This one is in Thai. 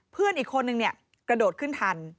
เพื่อนอีกคนหนึ่งกระโดดขึ้นทัน